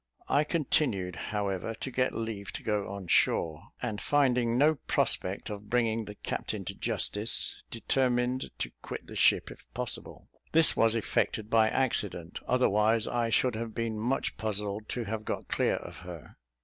I continued, however, to get leave to go on shore; and finding no prospect of bringing the captain to justice, determined to quit the ship, if possible. This was effected by accident, otherwise I should have been much puzzled to have got clear of her.